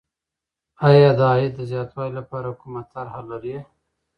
آیا د عاید د زیاتوالي لپاره کومه طرحه لرې؟